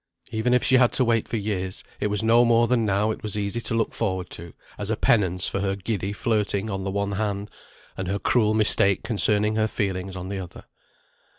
Even if she had to wait for years, it was no more than now it was easy to look forward to, as a penance for her giddy flirting on the one hand, and her cruel mistake concerning her feelings on the other.